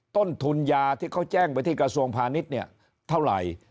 ต้นทุนยาที่เขาแจ้งไปที่กระทรวงพาณิชย์เนี่ยเท่าไหร่